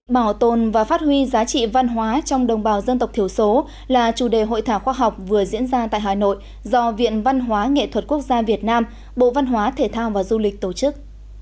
bảo tồn và phát huy giá trị văn hóa trong đồng bào dân tộc thiểu số là chủ đề hội thảo khoa học vừa diễn ra tại hà nội do viện văn hóa nghệ thuật quốc gia việt nam bộ văn hóa thể thao và du lịch tổ chức